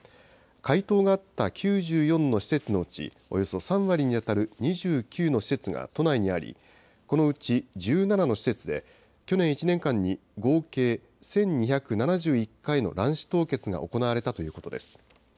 回答があった９４の施設のうち、およそ３割に当たる２９の施設が都内にあり、このうち１７の施設で、去年１年間に合計１２７１回の卵子凍結が行われたということです。